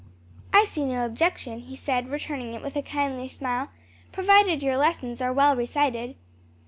"I see no objection," he said, returning it with a kindly smile, "provided your lessons are well recited."